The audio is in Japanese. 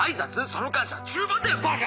その感謝は中盤だよバカ！